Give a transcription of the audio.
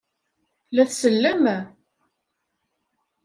La tsellem?